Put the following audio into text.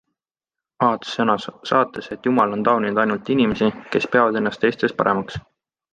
aats sõnas saates, et Jumal on tauninud ainult inimesi, kes peavad ennast teistest paremaks.